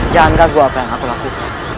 jangan ganggu apa yang aku lakukan